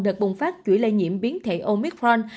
đợt bùng phát chuỗi lây nhiễm biến thể omicron